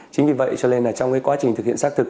chính vì vậy cho nên là trong cái quá trình thực hiện xác thực